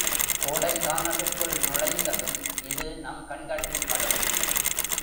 கோடைக்கானலுக்குள் நுழைந்ததும் இது நம் கண்களில் படும்.